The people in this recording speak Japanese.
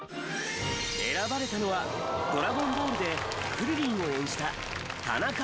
選ばれたのは『ドラゴンボール』でクリリンを演じた田中真弓。